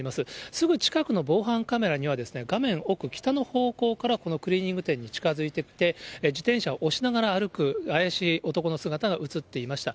すぐ近くの防犯カメラには、画面奥、北の方向からこのクリーニング店に近づいてきて、自転車を押しながら歩く怪しい男の姿が写っていました。